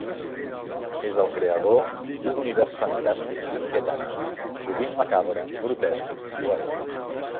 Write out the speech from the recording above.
És el creador d'un univers fantàstic i inquietant, sovint macabre, grotesc i cruel.